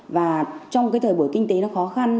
và trong cái thời buổi kinh tế nó khó khăn